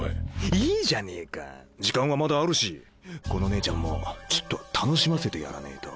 いいじゃねえか時間はまだあるしこの姉ちゃんもちっとは楽しませてやらねえと。